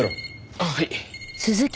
あっはい。